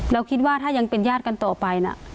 เราคิดว่าถ้ายังเป็นญาติกันต่อไปนะ